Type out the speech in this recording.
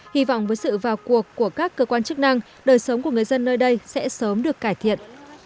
hy vọng với sự vào cuộc của các cơ quan chức năng đời sống của người dân nơi đây sẽ sớm được cải thiện